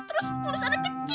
udah dipupin sama kuda aku nih ya